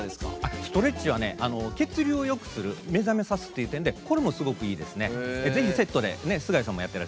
ストレッチは血流をよくする目覚めさすという点でこれもすごくいいですね。